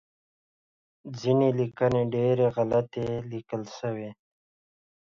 ځینې لیکنې ډیری غلطې لیکل شوی